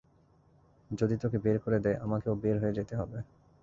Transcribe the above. যদি তোকে বের করে দেয়, আমাকেও বের হয়ে যেতে হবে।